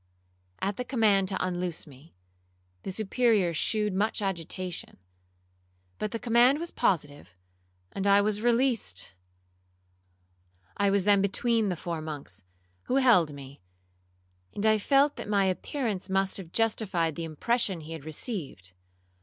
At the command to unloose me, the Superior shewed much agitation; but the command was positive, and I was released. I was then between the four monks, who held me, and I felt that my appearance must have justified the impression he had received.